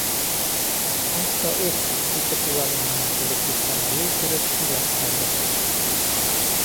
«Ах та ух» итеп улар янына килеп еткән айыу үкереп илап ебәрҙе.